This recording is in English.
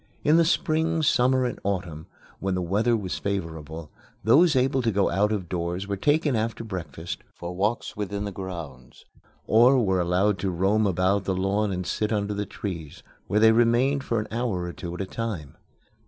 In the spring, summer, and autumn, when the weather was favorable, those able to go out of doors were taken after breakfast for walks within the grounds, or were allowed to roam about the lawn and sit under the trees, where they remained for an hour or two at a time.